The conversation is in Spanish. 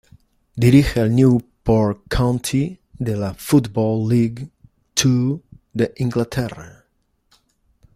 Dirige al Newport County de la Football League Two de Inglaterra.